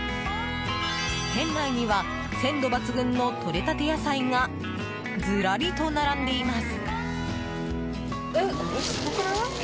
店内には鮮度抜群のとれたて野菜がずらりと並んでいます。